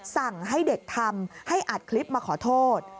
สั่งให้เด็กทำให้อัดคลิปมาขอโทษ